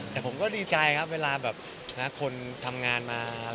แต่ผมก็ดีใจครับเวลาแบบคนทำงานมา